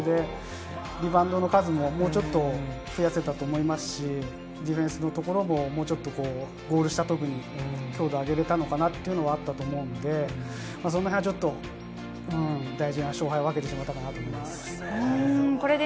リバウンドの数ももうちょっと増やせたと思いますし、ディフェンスのところももうちょっとゴール下、特に強度を上げられたのかなと思うんで、そのへんは大事な勝敗を分けてしまったかなと思います。